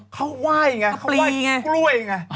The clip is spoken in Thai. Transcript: เขาว่ายอะไรเธอ